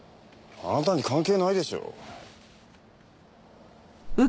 あなたに関係ないでしょう？